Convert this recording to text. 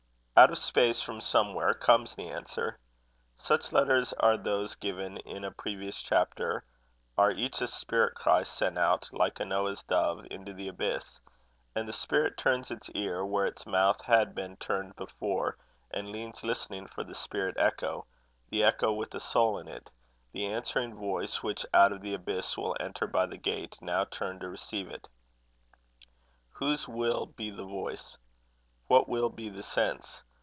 Out of space from somewhere comes the answer. Such letters as those given in a previous chapter, are each a spirit cry sent out, like a Noah's dove, into the abyss; and the spirit turns its ear, where its mouth had been turned before, and leans listening for the spirit echo the echo with a soul in it the answering voice which out of the abyss will enter by the gate now turned to receive it. Whose will be the voice? What will be the sense?